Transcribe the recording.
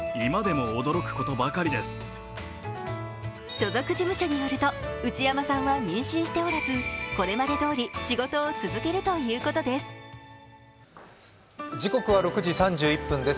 所属事務所によると、内山さんは妊娠しておらずこれまでどおり仕事を続けるということです。